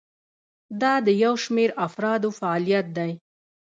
دا د یو شمیر افرادو فعالیت دی.